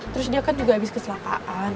terus dia kan juga habis keselakaan